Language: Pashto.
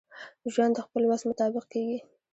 ژوند دخپل وس مطابق کیږي.